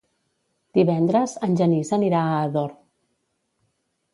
Divendres en Genís anirà a Ador.